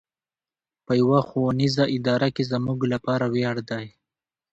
په يوه ښوونيزه اداره کې زموږ لپاره وياړ دی.